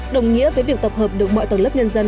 đồng nghĩa với việc tập hợp được mọi tầng lớp nhân dân